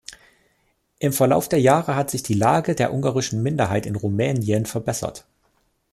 Im Verlauf der Jahre hat sich die Lage der ungarischen Minderheit in Rumänien verbessert.